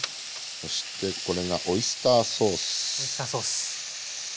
そしてこれがオイスターソース。